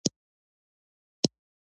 د چینایانو پر سمندري سفرونو بندیزونه ولګول.